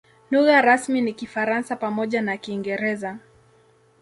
Lugha rasmi ni Kifaransa pamoja na Kiingereza.